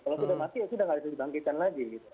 kalau sudah mati ya sudah tidak harus dibangkitkan lagi